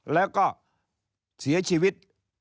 แล้วก็เสียชีวิต